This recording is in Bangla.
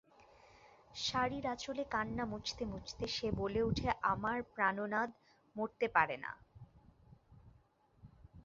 শাড়ির আচলে কান্না মুছতে মুছতে সে বলে উঠে আমার প্রাণোনাদ মরতে পারেনা।